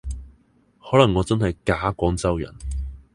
可能我真係假廣州人